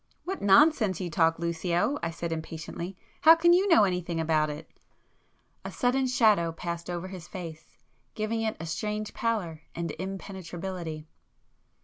"What nonsense you talk, Lucio!" I said impatiently—"How can you know anything about it!" A sudden shadow passed over his face, giving it a strange pallor and impenetrability.